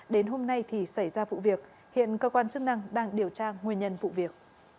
đến hôm nay thì xảy ra vụ việc hiện cơ quan chức năng đang điều tra nguyên nhân vụ việc